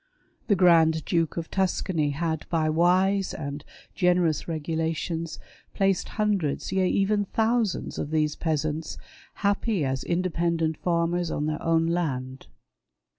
The Grand Duke of Tuscany had by wise and generous regulations placed hundreds, yea, even thousands of these peasants, happy as independent farmers on their own land.